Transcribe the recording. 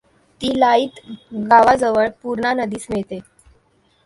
ती लाईत गावाजवळ पूर्णा नदीस मिळते.